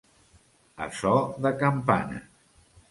A so de campanes.